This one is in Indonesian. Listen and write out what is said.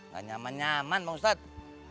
gak nyaman nyaman ustadz